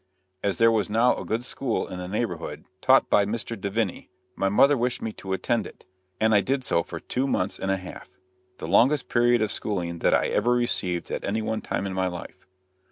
As there was now a good school in the neighborhood, taught by Mr. Divinny, my mother wished me to attend it, and I did so for two months and a half the longest period of schooling that I ever received at any one time in my life.